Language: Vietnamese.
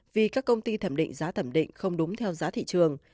vì các công ty thẩm định giá thẩm định không đúng theo giá thị trường